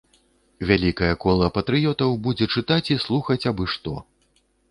Вялікае кола патрыётаў будзе чытаць і слухаць абы што.